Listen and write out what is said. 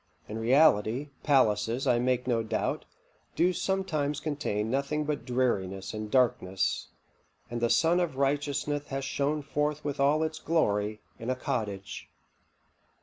In reality, palaces, I make no doubt, do sometimes contain nothing but dreariness and darkness, and the sun of righteousness hath shone forth with all its glory in a cottage."